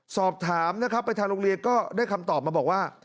สอบถามนะครับไปทางโรงเรียนก็ได้คำตอบมาบอกว่า